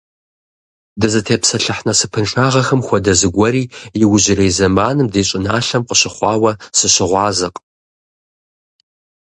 Дызытепсэлъыхь насыпыншагъэхэм хуэдэ зыгуэри иужьрей зэманым ди щӀыналъэм къыщыхъуауэ сыщыгъуазэкъым.